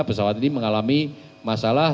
pesawat ini mengalami masalah